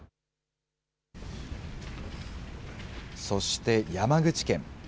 そして山口県。